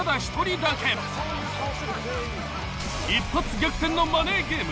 ［一発逆転のマネーゲーム］